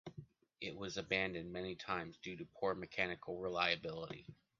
It was abandoned many times due to its poor mechanical reliability.